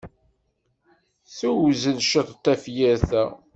Ssewzel ciṭ tafyirt-a.